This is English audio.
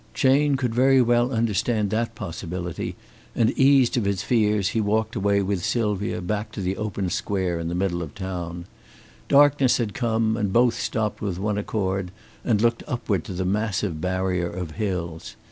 Chayne could very well understand that possibility, and eased of his fears he walked away with Sylvia back to the open square in the middle of the town. Darkness had come, and both stopped with one accord and looked upward to the massive barrier of hills.